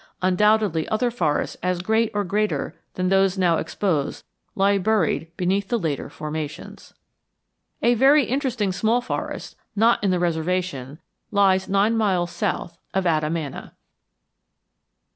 Undoubtedly other forests as great or greater than those now exposed lie buried beneath the later formations." A very interesting small forest, not in the reservation, lies nine miles north of Adamana.